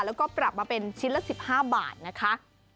แล้วก็ปรับมาเป็นชิ้นละ๑๕บาทนะคะ